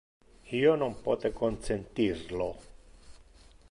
Io non pote consentir lo.